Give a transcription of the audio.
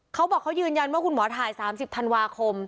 เขาบอกเขายืนยันว่าคุณหมอถ่าย๓๐ธันวาคม